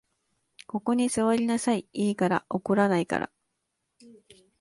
ここに坐りなさい、いいから。怒らないから。